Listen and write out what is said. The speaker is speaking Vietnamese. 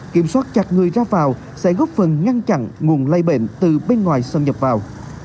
kiểm soát chặt người ra vào sẽ góp phần ngăn chặn nguồn lây bệnh từ bên ngoài xâm nhập vào